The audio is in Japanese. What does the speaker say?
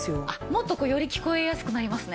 もっとこうより聞こえやすくなりますね！